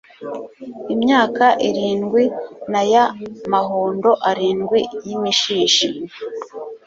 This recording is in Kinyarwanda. imyaka irindwi na ya mahundo arindwi y imishishi